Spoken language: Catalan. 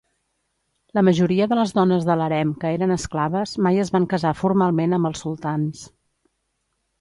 La majoria de les dones de l'harem que eren esclaves mai es van casar formalment amb els sultans.